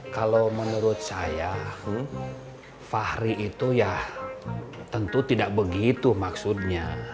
kalau menurut saya fahri itu ya tentu tidak begitu maksudnya